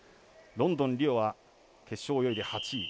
ロンドン、リオは決勝泳いで８位。